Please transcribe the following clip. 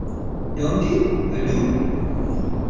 Don’t you? I do.